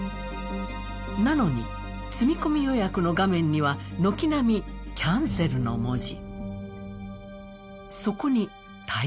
なのに、積み込み予約の画面には軒並み、キャンセルの文字。